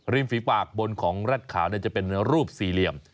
ฝีปากบนของแร็ดขาวจะเป็นรูปสี่เหลี่ยม